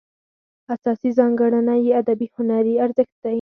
اساسي ځانګړنه یې ادبي هنري ارزښت دی.